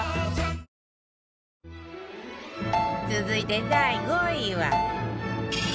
続いて第５位は